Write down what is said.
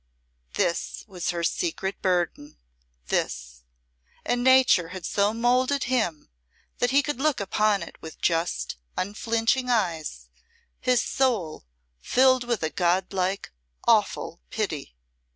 This was her secret burden this. And Nature had so moulded him that he could look upon it with just, unflinching eyes, his soul filled with a god like, awful pity.